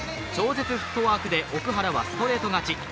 超絶フットワークで奥原はストレート勝ち。